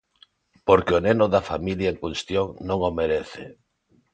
Porque o neno da familia en cuestión non o merece.